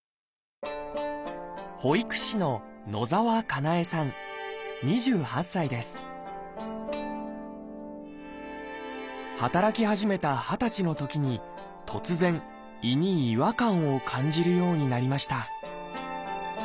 保育士の働き始めた二十歳のときに突然胃に違和感を感じるようになりました